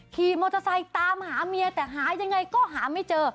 ขี่มอเตอร์ไซค์ตามหาเมียแต่หายังไงก็หาไม่เจอ